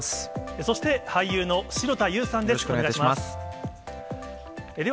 そして、俳優の城田優さんです。